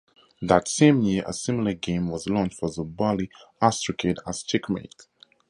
That same year, a similar game was launched for the Bally Astrocade as "Checkmate".